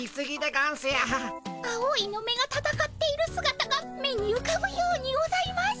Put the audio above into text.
青いのめがたたかっているすがたが目にうかぶようにございます。